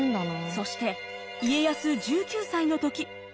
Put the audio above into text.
そして家康１９歳の時。